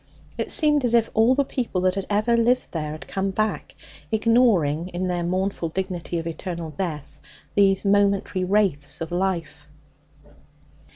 It seemed as if all the people that had ever lived here had come back, ignoring in their mournful dignity of eternal death these momentary wraiths of life.